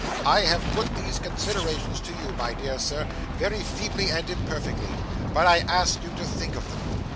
I have put these considerations to you, my dear Sir, very feebly and imperfectly, but I ask you to think of them.